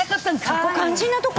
そこ肝心なとこ。